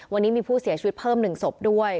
วันนี้มีผู้เสียชีวิตเพิ่ม๑ศพด้วย